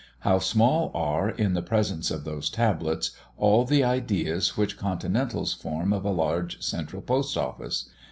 How small are, in the presence of those tablets, all the ideas which Continentals form of a large central Post office.